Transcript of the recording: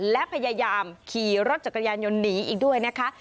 และพยายามขี่รถจักรยานยนต์หนีอีกด้วยนะคะ